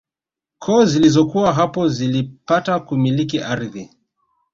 Koo zilizokuwa hapo zilipata kumiliki ardhi